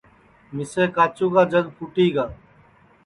مِسے کاچُو کا جگ پُھوٹی گا